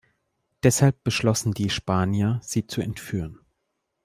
Deshalb beschlossen die Spanier sie zu entführen.